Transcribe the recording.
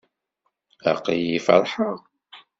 Aql-iyi feṛḥeɣ.